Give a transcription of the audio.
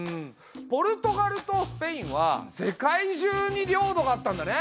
ポルトガルとスペインは世界中に領土があったんだね。